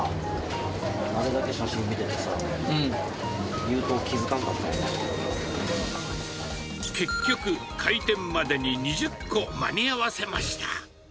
あれだけ写真見ててさ、結局、開店までに２０個、間に合わせました。